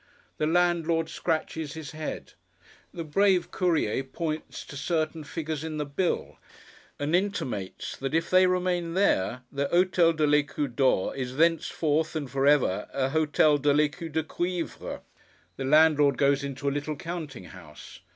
The landlord scratches his head. The brave Courier points to certain figures in the bill, and intimates that if they remain there, the Hôtel de l'Ecu d'Or is thenceforth and for ever an hôtel de l'Ecu de cuivre. The landlord goes into a little counting house.